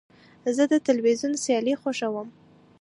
زه د تلویزیون سیالۍ خوښوم.